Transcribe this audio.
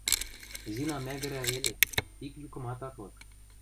Зина мӓгӹрӓ веле, ик юкымат ак лык.